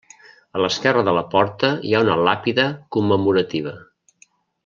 A l'esquerra de la porta hi ha una làpida commemorativa.